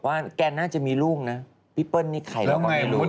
มันก็น่าจะมีลูกนะพี่เปิ้ลนี่ไข่เราก็ไม่รู้นะ